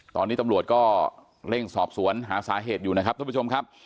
ตอนนี้ตำรวจก็เร่งสอบสวนหาสาเหตุอยู่นะครับท่านผู้ชมครับ